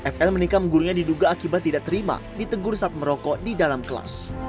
fl menikam gurunya diduga akibat tidak terima ditegur saat merokok di dalam kelas